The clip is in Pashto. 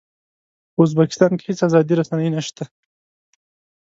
په ازبکستان کې هېڅ ازادې رسنۍ نه شته.